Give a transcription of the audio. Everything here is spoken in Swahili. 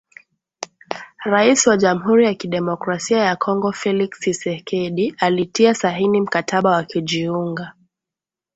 Rais wa Jamhuri ya Kidemokrasia ya Kongo Felix Tshisekedi alitia saini mkataba wa kujiunga.